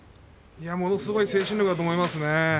ものすごい精神力だと思いますね。